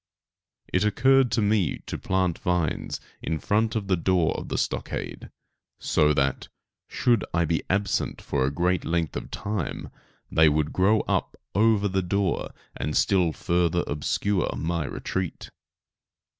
It occurred to me to plant vines in front of the door of the stockade, so that, should I be absent for a great length of time, they would grow up over the door and still further obscure my retreat.